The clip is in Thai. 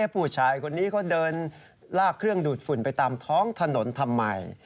ผู้ชายคนนี้เขาเดินลากเครื่องดูดฝุ่นไปตามท้องถนนทำไม